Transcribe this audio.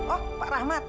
oh pak rahmat